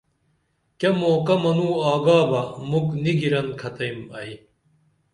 کیہ موقع منوں آگا بہ مُکھ نی گِرن کھتیم ائی